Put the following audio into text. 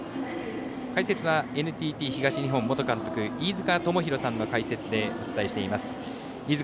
解説はＮＴＴ東日本元監督飯塚智広さんの解説でお伝えしています。